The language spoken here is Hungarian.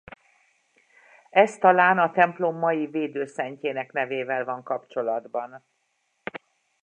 Ez talán a templom mai védőszentjének nevével van kapcsolatban.